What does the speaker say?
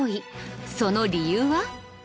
その理由は。